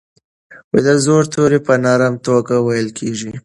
د زور توری په نرمه توګه ویل کیږي.